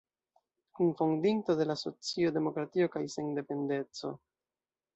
Kunfondinto de la asocio Demokratio kaj sendependeco.